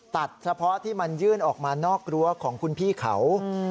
ตัดเฉพาะที่มันยื่นออกมานอกรั้วของคุณพี่เขา